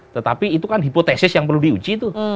tetapi itu kan hipotesis yang perlu diuji itu